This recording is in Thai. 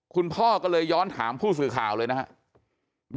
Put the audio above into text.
คุณพ่อก็เลยย้อนถามผู้สื่อข่าวเลยนะครับ